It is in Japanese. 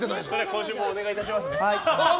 今週もお願いしますね。